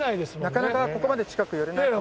なかなかここまで近く寄れないですもんね。